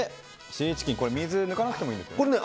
シーチキン、水を抜かなくてもいいんですよね。